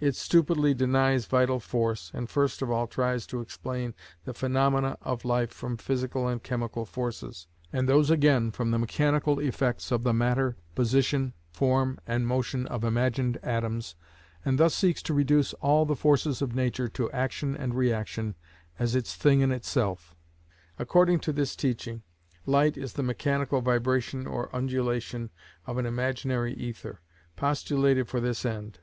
It stupidly denies vital force, and first of all tries to explain the phenomena of life from physical and chemical forces, and those again from the mechanical effects of the matter, position, form, and motion of imagined atoms, and thus seeks to reduce all the forces of nature to action and reaction as its thing in itself. According to this teaching, light is the mechanical vibration or undulation of an imaginary ether, postulated for this end.